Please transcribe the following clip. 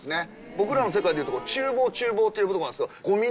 僕らの世界でいうと「中防」って呼ぶとこなんですけど。